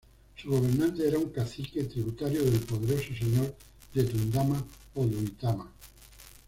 Su gobernante era un Cacique, tributario del poderoso señor de Tundama o Duitama.